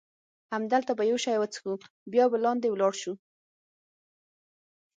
همدلته به یو شی وڅښو، بیا به لاندې ولاړ شو.